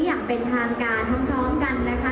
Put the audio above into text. อย่างเป็นทางการพร้อมกันนะคะ